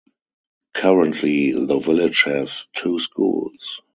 Currently the village has two schools.